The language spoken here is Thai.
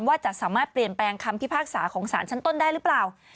ว่าจะสามารถเปลี่ยนแปลงคำพิพากษาของสารชั้นต้นได้หรือเปล่า